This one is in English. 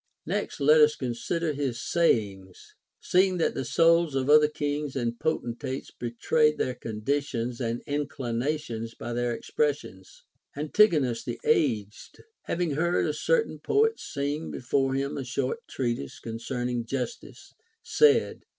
Next, let us consider his sayings, seeing that the souls of other kings and potentates betray their conditions and in clinations by their expressions. Antigonus the x'Vged, hav ing heard a certain poet sing before him a short treatise concerning justice, said.